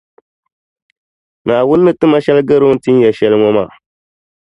Naawuni ni ti ma shεli gari O ni tin ya shεli ŋɔ maa.